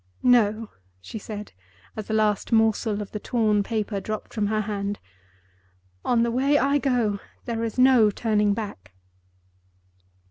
"No!" she said, as the last morsel of the torn paper dropped from her hand. "On the way I go there is no turning back."